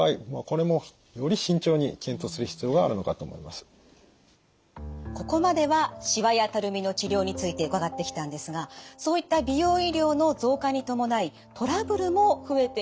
ですのでここまではしわやたるみの治療について伺ってきたんですがそういった美容医療の増加に伴いトラブルも増えているんです。